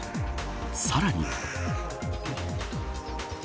さらに。